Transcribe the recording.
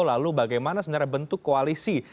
lalu bagaimana sebenarnya bentuk koalisi